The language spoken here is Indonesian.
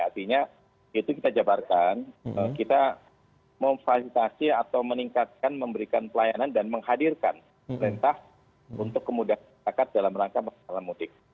artinya itu kita jabarkan kita memfasilitasi atau meningkatkan memberikan pelayanan dan menghadirkan perintah untuk kemudahan masyarakat dalam rangka masalah mudik